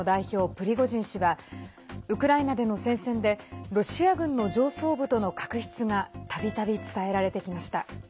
プリゴジン氏はウクライナでの戦線でロシア軍の上層部との確執がたびたび伝えられてきました。